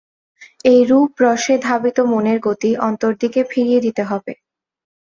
এই রূপ-রসে ধাবিত মনের গতি অন্তর্দিকে ফিরিয়ে দিতে হবে।